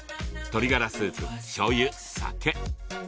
鶏ガラスープ、しょうゆ、酒。